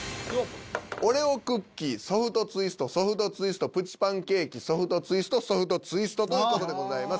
「オレオクッキー」「ソフトツイスト」「ソフトツイスト」「プチパンケーキ」「ソフトツイスト」「ソフトツイスト」という事でございます。